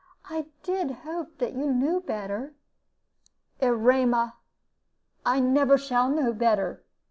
I did hope that you knew better." "Erema, I never shall know better.